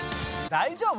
大丈夫？